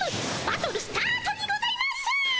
バトルスタートにございます！